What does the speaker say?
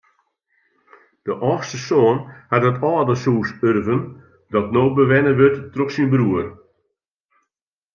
De âldste soan hat it âldershûs urven dat no bewenne wurdt troch syn broer.